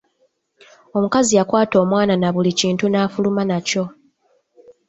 Omukazi yakwata omwana na buli kintu nafuluma nakyo.